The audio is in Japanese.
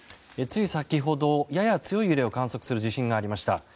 つい先ほどやや強い揺れを観測する地震がありました。